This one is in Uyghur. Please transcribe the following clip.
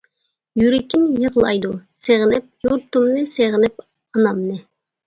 يۈرىكىم يىغلايدۇ، سېغىنىپ يۇرتۇمنى، سېغىنىپ ئانامنى.